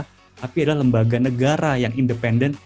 tapi adalah lembaga negara yang independen